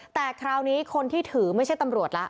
แต่คราวนี้คนที่ถือไม่ใช่ตำรวจละ